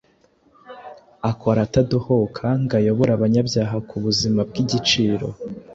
Akora atadohoka ngo ayobore abanyabyaha ku buzima bw’igiciro